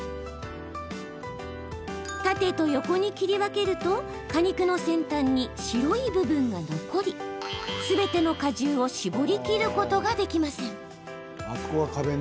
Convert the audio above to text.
縦と横に切り分けると果肉の先端に白い部分が残りすべての果汁を搾りきることができません。